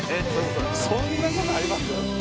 そんなことあります？